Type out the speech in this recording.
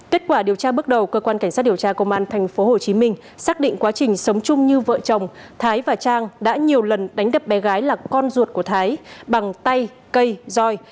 kết quả điều tra bước đầu cơ quan cảnh sát điều tra công an tp hcm xác định quá trình sống chung như vợ chồng thái và trang đã nhiều lần đánh đập bé gái là con ruột của thái bằng tay cây roi